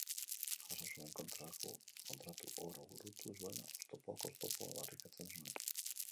Jaso zuen kontratu oro burutu zuela, oztopoak oztopo, aldarrikatzen zuen.